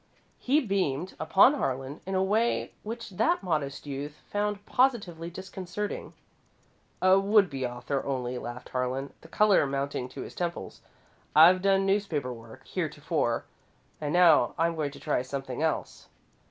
He beamed upon Harlan in a way which that modest youth found positively disconcerting. "A would be author only," laughed Harlan, the colour mounting to his temples. "I've done newspaper work heretofore, and now I'm going to try something else."